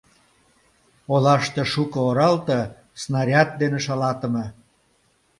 Олаште шуко оралте снаряд дене шалатыме.